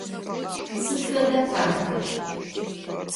Sıd feda parkır?